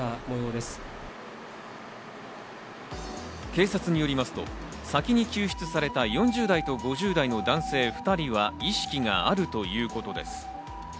警察によりますと、先に救出された４０代と５０代の男性２人は意識があるということです。